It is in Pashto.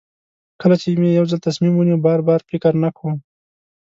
کله چې مې یو ځل تصمیم ونیو بار بار فکر نه کوم.